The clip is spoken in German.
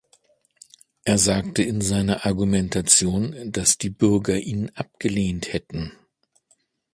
Er sagte in seiner Argumentation, dass die Bürger ihn abgelehnt hätten.